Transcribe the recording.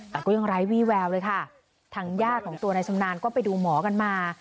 แต่ก็ยังไร้วี่แววเลยค่ะทางญาติของตัวนายชำนาญก็ไปดูหมอกันมา